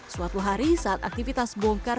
suatu hari saat aktivitas bongkar